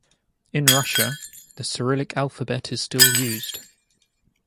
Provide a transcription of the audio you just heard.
In Russia, the Cyrillic alphabet is still used.